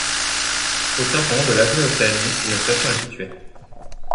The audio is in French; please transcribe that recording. Obtient son nom de l'avenue Océanie où la station est située.